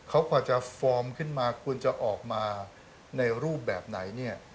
เขากว่าจะฟอร์มขึ้นมาควรจะออกมาในรูปแบบไหนเนี่ย